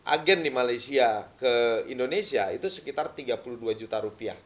agen di malaysia ke indonesia itu sekitar tiga puluh dua juta rupiah